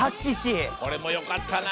これもよかったな。